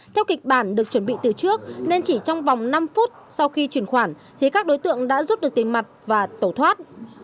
theo kịch bản được chuẩn bị từ trước nên chỉ trong vòng năm phút sau khi chuyển khoản thì các đối tượng đã rút được tiền mặt và tẩu thoát